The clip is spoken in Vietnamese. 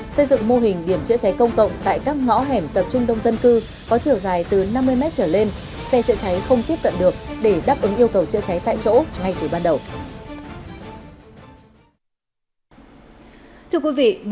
xây dựng mô hình điểm chữa cháy công cộng tại các ngõ hẻm tập trung đông dân cư có chiều dài từ năm mươi mét trở lên xe chữa cháy không tiếp cận được để đáp ứng yêu cầu chữa cháy tại chỗ ngay từ ban đầu